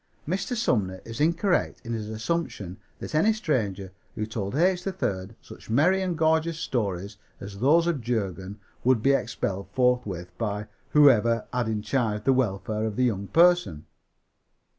Mr. Sumner is incorrect in his assumption that any stranger who told H. 3rd such merry and gorgeous stories as those of Jurgen would be expelled forthwith by "whoever had in charge the welfare of the young person."